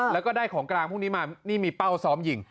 แล้วก็ได้ของกลางพวกนี้มานี่มีเป้าซ้อมยิง